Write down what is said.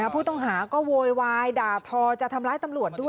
ผู้ต้องหาก็โวยวายด่าทอจะทำร้ายตำรวจด้วย